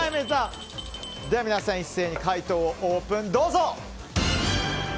では皆さん一斉に解答をオープン！